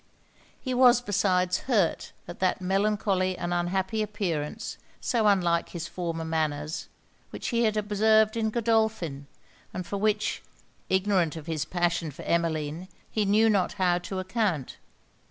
He was besides hurt at that melancholy and unhappy appearance, so unlike his former manners, which he had observed in Godolphin; and for which, ignorant of his passion for Emmeline, he knew not how to account.